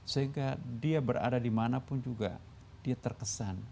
sehingga dia berada dimanapun juga dia terkesan